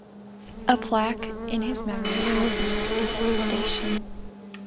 A plaque in his memory has been erected at the station.